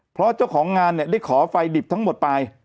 เพราะเจ้าของงานเนี่ยได้ขอไฟดิบทั้งหมดไป